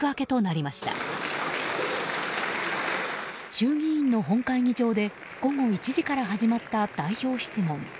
衆議院の本会議場で午後１時から始まった代表質問。